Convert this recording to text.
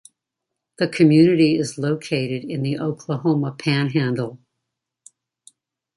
The community is located in the Oklahoma Panhandle.